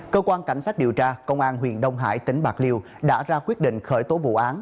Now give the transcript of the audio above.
cơ quan cảnh sát điều tra công an huyện đông hải tỉnh bạc liêu đã ra quyết định khởi tố vụ án